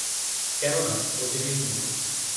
কেননা, ও যে বিন্দু।